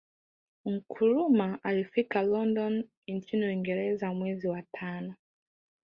Nkrumah alfika London nchini Uingereza mwezi wa tano